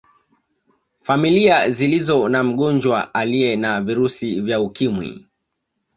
Familia zilizo na mgonjwa aliye na virusi vya Ukimwi